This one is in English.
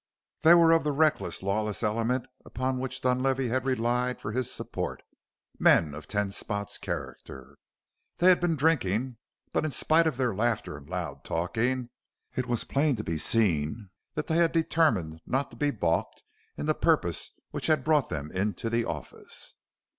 They were of the reckless, lawless element upon which Dunlavey had relied for his support men of Ten Spot's character. They had been drinking, but in spite of their laughter and loud talking it was plain to be seen that they had determined not to be balked in the purpose which had brought them into the office.